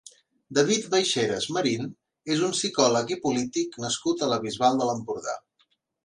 David Baixeras Marín és un psicòleg i polític nascut a la Bisbal d'Empordà.